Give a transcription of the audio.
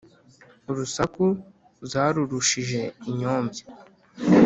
Urusaku zarurushije inyombya,